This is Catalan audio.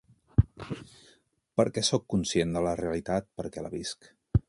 Perquè sóc conscient de la realitat perquè la visc.